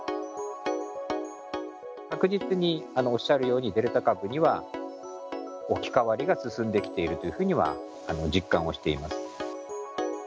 確実におっしゃるように、デルタ株には置き換わりが進んできているというふうには、実感をしています。